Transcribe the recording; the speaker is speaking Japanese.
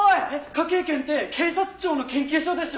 科警研って警察庁の研究所でしょ？